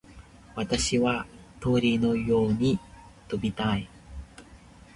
私は鳥のように飛びたい。